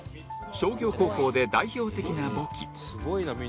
商業高校で代表的な簿記